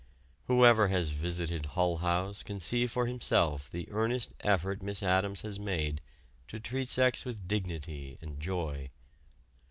Whoever has visited Hull House can see for himself the earnest effort Miss Addams has made to treat sex with dignity and joy.